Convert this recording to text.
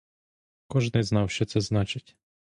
Кожний знав, що це значить.